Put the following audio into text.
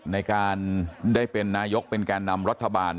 ในการได้เป็นนายกเป็นแก่นำรัฐบาล